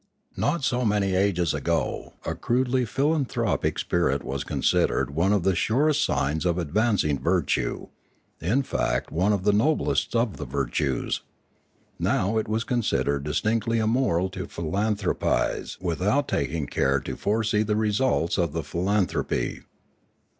Not so many ages ago a crudely philanthropic spirit was considered one of the surest signs of advancing virtue, in fact one of the noblest of the virtues. Now it was considered distinctly immoral to philanthropise without taking care to foresee the results of the philanthropy.